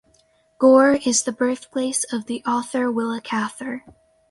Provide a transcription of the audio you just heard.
Gore is the birthplace of the author Willa Cather.